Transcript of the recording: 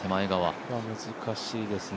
これは難しいですね